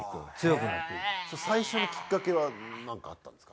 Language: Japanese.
最初のきっかけは何かあったんですか？